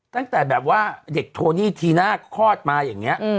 ตั้งแต่แบบว่าเด็กโทนี่ทีน่าคลอดมาอย่างนี้